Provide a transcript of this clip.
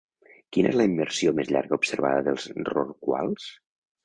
Quina és la immersió més llarga observada dels rorquals?